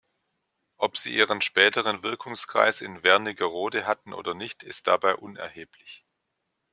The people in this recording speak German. Ob sie ihren späteren Wirkungskreis in Wernigerode hatten oder nicht, ist dabei unerheblich.